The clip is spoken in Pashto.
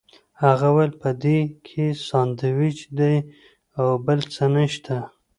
هغه وویل په دې کې ساندوېچ دي او بل څه نشته.